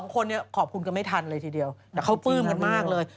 คนนี้ขอบคุณกันไม่ทันเลยทีเดียวแต่เขาปลื้มกันมากเลย